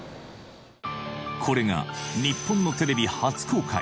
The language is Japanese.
これが日本のテレビ初公開